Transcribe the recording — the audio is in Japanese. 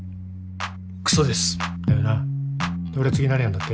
クソですだよなで俺次何やるんだっけ？